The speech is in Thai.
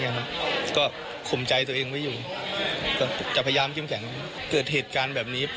เออมีบุญเท่านี้